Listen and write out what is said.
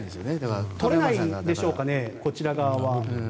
撮れないんでしょうかねこちら側は。